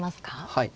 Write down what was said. はい。